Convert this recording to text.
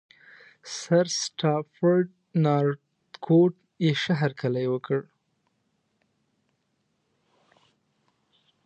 سرسټافرډ نارتکوټ یې ښه هرکلی وکړ.